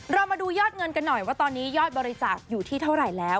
เรามาดูยอดเงินกันหน่อยว่าตอนนี้ยอดบริจาคอยู่ที่เท่าไหร่แล้ว